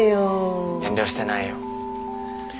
遠慮してないよ。